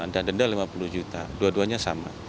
dan denda lima puluh juta dua duanya sama